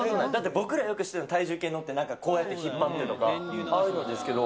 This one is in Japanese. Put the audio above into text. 僕らよく知ってるの、体重計に乗って、なんかこうやって引っ張るとか、ああいうのですけど。